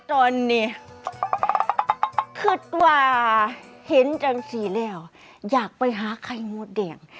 จนนี่คือตัวเห็นจังสิแล้วอยากไปหาไข่งูดแดง